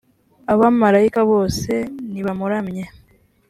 hb abamarayika bose nibamuramye